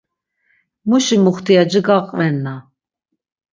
Muşi muxtiyaci gaqvenna.